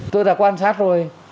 tôi đã quan sát rồi